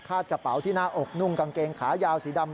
กระเป๋าที่หน้าอกนุ่งกางเกงขายาวสีดำ